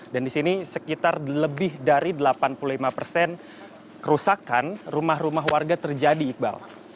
dan di sini sekitar lebih dari delapan puluh lima persen kerusakan rumah rumah warga terjadi iqbal